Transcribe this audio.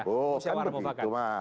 kita berembukan begitu mas